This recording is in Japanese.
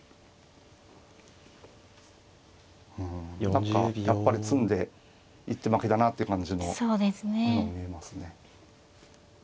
何かやっぱり詰んで一手負けだなって感じの見えますね。